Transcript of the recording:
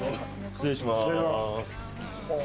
失礼します。